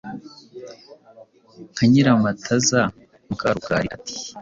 Nka Nyiramataza muka Rukari ati